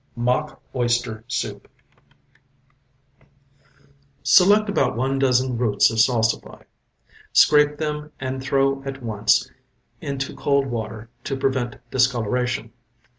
MOCK OYSTER SOUP Select about one dozen roots of salsify. Scrape them and throw at once into cold water to prevent discoloration.